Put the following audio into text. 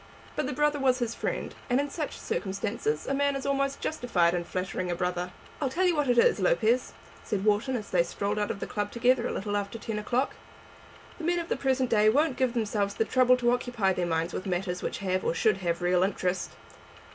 But the brother was his friend, and in such circumstances a man is almost justified in flattering a brother. "I'll tell you what it is, Lopez," said Wharton, as they strolled out of the club together, a little after ten o'clock, "the men of the present day won't give themselves the trouble to occupy their minds with matters which have, or should have, real interest.